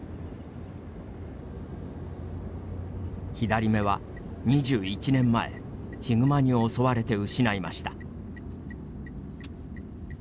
左目は、２１年前ヒグマに襲われて失いました。